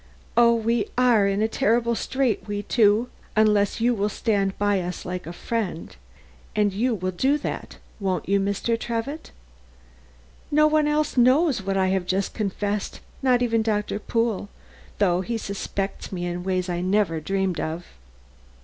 Oh, we are in a terrible strait, we two, unless you will stand by us like a friend and you will do that, won't you, Mr. Trevitt? No one else knows what I have just confessed not even Doctor Pool, though he suspects me in ways I never dreamed of.